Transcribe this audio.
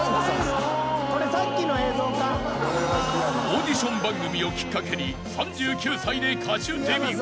［オーディション番組をきっかけに３９歳で歌手デビュー］